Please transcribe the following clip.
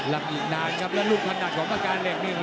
ติดทางครับแล้วลูกพันธุ์ของปากกาเล็กนะครับ